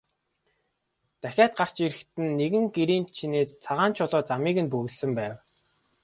Дахиад гарч ирэхэд нь нэгэн гэрийн чинээ цагаан чулуу замыг нь бөглөсөн байв.